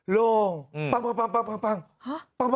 โรงปั๊ม